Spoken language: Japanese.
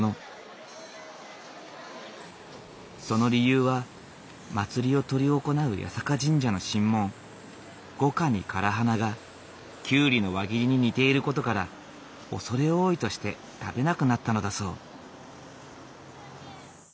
その理由は祭りを執り行う八坂神社の神紋五瓜に唐花がキュウリの輪切りに似ている事から畏れ多いとして食べなくなったのだそう。